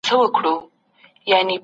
د کمېسیون غړي څنګه بحث کوي؟